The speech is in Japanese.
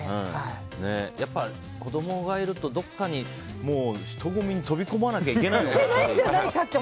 やっぱり子供がいると、どこか人混みに飛び込まなきゃいけないのかなって。